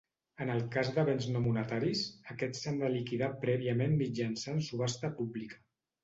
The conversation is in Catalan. En el cas de béns no monetaris, aquests s'han de liquidar prèviament mitjançant subhasta pública.